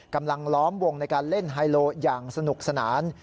ล้อมวงในการเล่นไฮโลอย่างสนุกสนาน